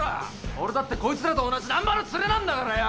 俺だってこいつらと同じ難破のツレなんだからよ！